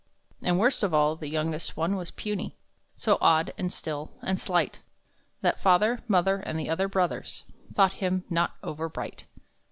And, worst of all, the youngest one was puny, So odd, and still, and slight, That father, mother, and the other brothers, Thought him not over bright.